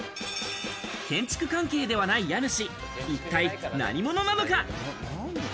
建築関係ではない家主、一体何者なのか？